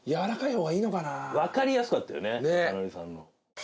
わかりやすかったよね雅紀さんの。